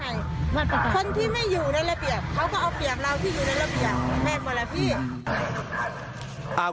แม่งหมดละพี่